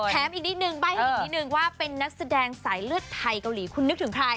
อีกนิดนึงใบ้ให้อีกนิดนึงว่าเป็นนักแสดงสายเลือดไทยเกาหลีคุณนึกถึงใคร